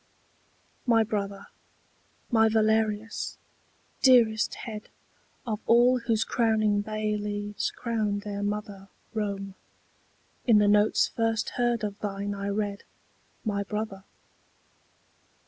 MY brother, my Valerius, dearest head Of all whose crowning bay leaves crown their mother Rome, in the notes first heard of thine I read My brother.